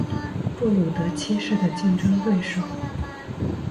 布鲁德七世的竞争对手。